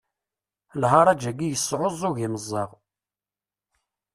Lharaǧ-agi yesɛuẓug imeẓaɣ.